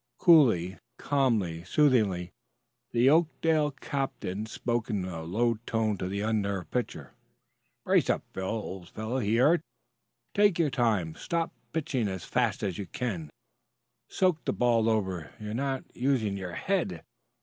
Coolly, calmly, soothingly, the Oakdale captain spoke in a low tone to the unnerved pitcher. "Brace up, Phil, old fellow," he urged. "Take your time; stop pitching as fast as you can soak the ball over. You're not using your head.